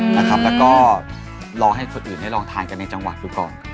แล้วก็รอให้คนอื่นได้ลองทานกันในจังหวะดูก่อน